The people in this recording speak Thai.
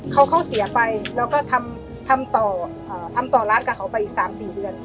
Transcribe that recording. เขาเขาเสียไปแล้วก็ทำต่อทำต่อร้านกับเขาไปอีก๓๔เดือน